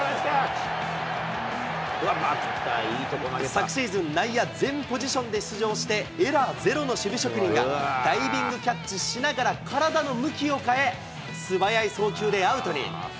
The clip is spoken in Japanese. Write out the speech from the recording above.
昨シーズン、内野全ポジションで出場してエラーゼロの守備職人がダイビングキャッチしながら体の向きを変え、素早い送球でアウトに。